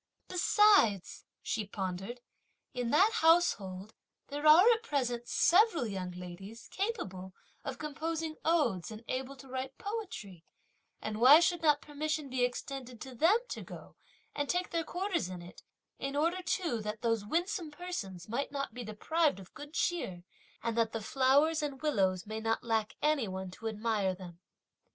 "Besides," (she pondered), "in that household, there are at present several young ladies, capable of composing odes, and able to write poetry, and why should not permission be extended to them to go and take their quarters in it; in order too that those winsome persons might not be deprived of good cheer, and that the flowers and willows may not lack any one to admire them!"